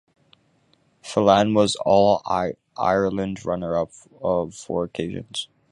Phelan was an All-Ireland runner-up on four occasions.